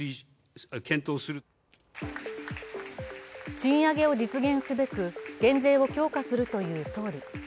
賃上げを実現すべく減税を強化するという総理。